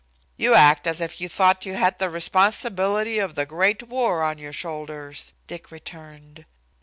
"You act as if you thought you had the responsibility of the great war on your shoulders," Dicky returned.